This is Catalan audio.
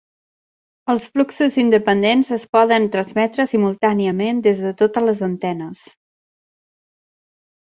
Els fluxos independents es poden transmetre simultàniament des de totes les antenes.